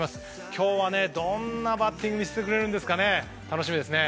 今日はどんなバッティングを見せてくれるのか楽しみですね。